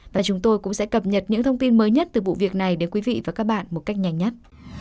và chúng tôi cũng sẽ cập nhật những thông tin mới nhất từ vụ việc này đến quý vị và các bạn một cách nhanh nhất